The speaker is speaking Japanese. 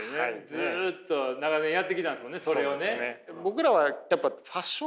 ずっと長年やってきたんですもんねそれをね。